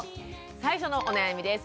最初のお悩みです。